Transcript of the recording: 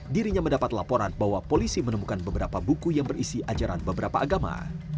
dirinya mendapat laporan bahwa polisi menemukan beberapa buku yang berisi ajaran beberapa agama